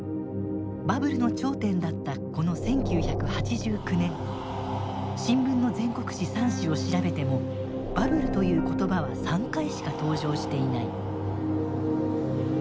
バブルの頂点だったこの１９８９年新聞の全国紙３紙を調べてもバブルという言葉は３回しか登場していない。